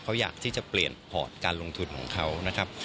เขาอยากที่จะเปลี่ยนพอร์ตการลงทุนของเขานะครับ